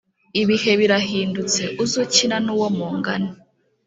Ibihe birahindutse uzukina nuwo mungana